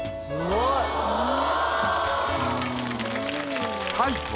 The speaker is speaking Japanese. すごいな。